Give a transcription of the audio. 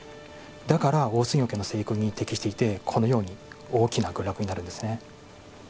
だから、オオスギゴケの生育に適していてこのように大きな群落になるんですね。